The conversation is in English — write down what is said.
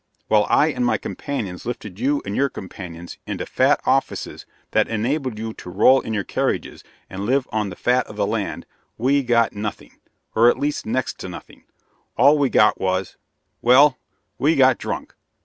While I and my companions lifted you and your companions into fat offices that enabled you to roll in your carriages, and live on the fat of the land, we got nothing or, at least, next to nothing all we got was well we got drunk!